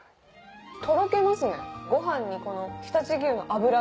とろけますね。